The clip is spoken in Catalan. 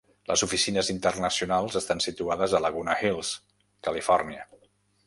Les oficines internacionals estan situades a Laguna Hills, California.